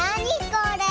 これ。